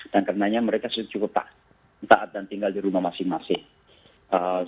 dan karenanya mereka sudah cukup taat dan tinggal di rumah masing masing